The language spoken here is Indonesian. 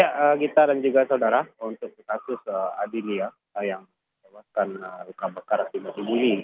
kita dan juga saudara untuk kasus adinia yang lukakan luka bakar di masinggi ini